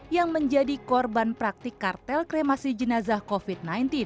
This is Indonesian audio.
yang menjadi korban praktik kartel kremasi jenazah covid sembilan belas